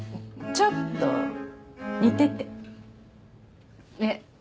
ちょっと似ててえっ？